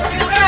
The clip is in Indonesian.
ayo kejar dia